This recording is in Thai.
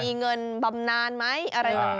มีเงินบำนานไหมอะไรต่าง